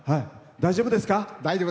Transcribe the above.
大丈夫です。